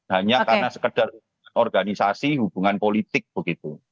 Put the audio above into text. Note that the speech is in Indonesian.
hanya karena sekedar organisasi hubungan politik begitu